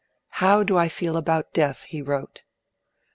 'How do I feel about Death?' he wrote.